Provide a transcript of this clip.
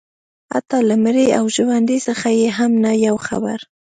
حتی له مړي او ژوندي څخه یې هم نه یو خبر